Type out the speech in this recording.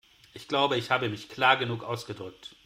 Ich glaube, ich habe mich klar genug ausgedrückt.